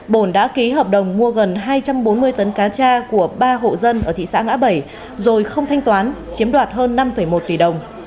bồn đã ký hợp đồng mua gần hai trăm bốn mươi tấn cá cha của ba hộ dân ở thị xã ngã bảy rồi không thanh toán chiếm đoạt hơn năm một tỷ đồng